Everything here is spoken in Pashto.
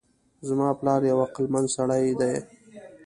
زما پلار یو عقلمند سړی ده